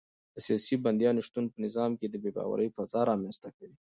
د سیاسي بندیانو شتون په نظام کې د بې باورۍ فضا رامنځته کوي.